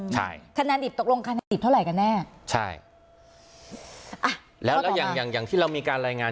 ใช่คะแนนดิบตกลงคะแนนดิบเท่าไหร่กันแน่ใช่อ่ะแล้วแล้วอย่างอย่างอย่างที่เรามีการรายงาน